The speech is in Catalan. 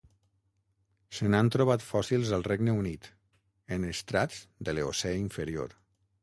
Se n'han trobat fòssils al Regne Unit, en estrats de l'Eocè inferior.